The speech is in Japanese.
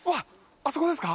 あそこですか？